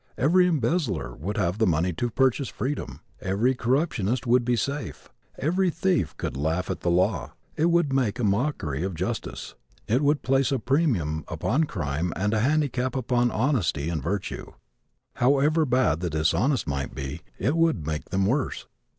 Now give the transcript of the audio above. Every embezzler would have the money to purchase freedom. Every corruptionist would be safe. Every thief could laugh at the law. It would make a mockery of justice. It would place a premium upon crime and a handicap upon honesty and virtue. However bad the dishonest might be it would make them worse.